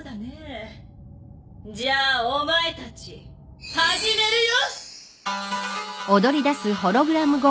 じゃあお前たち始めるよ！